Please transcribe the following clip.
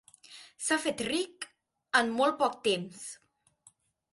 S'ha fet ric en molt poc temps.